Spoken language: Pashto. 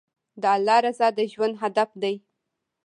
د الله رضا د ژوند هدف دی.